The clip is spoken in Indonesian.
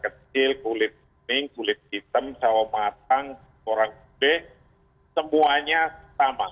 kecil kulit kuning kulit hitam jawa matang orang gede semuanya sama